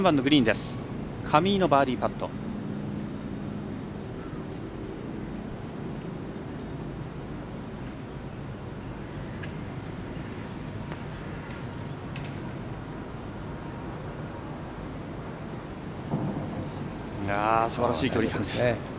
すばらしい距離感。